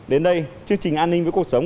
đến đây chương trình an ninh với cuộc sống